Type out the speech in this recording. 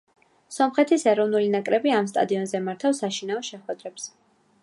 სომხეთის ეროვნული ნაკრები ამ სტადიონზე მართავს საშინაო შეხვედრებს.